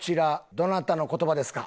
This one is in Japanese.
どなたの言葉ですか？